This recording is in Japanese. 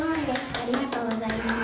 ありがとうございます。